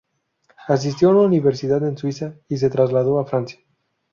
Asistió a una universidad en Suiza, y se trasladó a Francia.